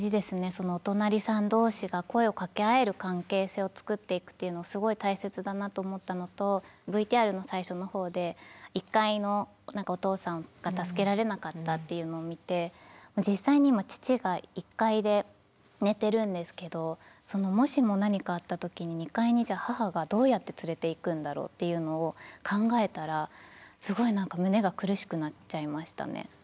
そのお隣さん同士が声をかけ合える関係性を作っていくっていうのはすごい大切だなと思ったのとＶＴＲの最初の方で１階のお父さんが助けられなかったっていうのを見て実際に今父が１階で寝てるんですけどもしも何かあった時に２階にじゃあ母がどうやって連れていくんだろうっていうのを考えたらすごい何か胸が苦しくなっちゃいましたね。